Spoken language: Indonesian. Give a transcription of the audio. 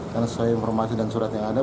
karena sesuai informasi dan surat yang ada